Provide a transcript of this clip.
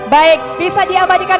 baik bisa diabadikan